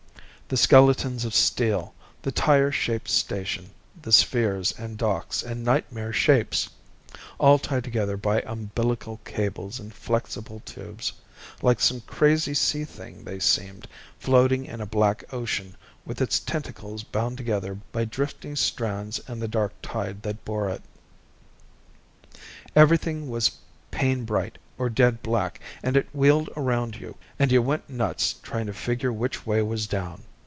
The skeletons of steel, the tire shaped station, the spheres and docks and nightmare shapes all tied together by umbilical cables and flexible tubes. Like some crazy sea thing they seemed, floating in a black ocean with its tentacles bound together by drifting strands in the dark tide that bore it. Everything was pain bright or dead black, and it wheeled around you, and you went nuts trying to figure which way was down.